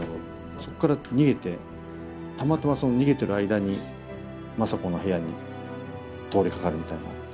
そっから逃げてたまたまその逃げてる間に政子の部屋に通りかかるみたいなのはいいかもしんない。